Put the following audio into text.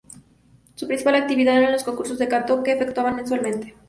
Su principal actividad eran los concursos de canto que efectuaban mensualmente.